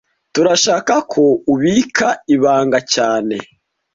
Turashaka ko ubika ibanga cyane